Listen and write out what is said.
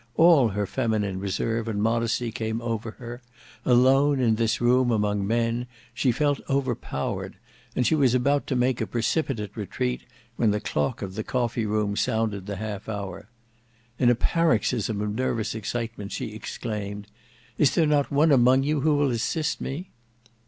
All her feminine reserve and modesty came over her; alone in this room among men, she felt overpowered, and she was about to make a precipitate retreat when the clock of the coffee room sounded the half hour. In a paroxysm of nervous excitement she exclaimed, "Is there not one among you who will assist me?"